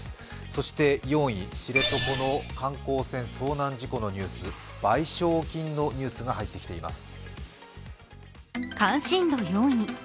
そして４位、知床の観光船遭難のニュース、賠償金のニュースが入ってきています。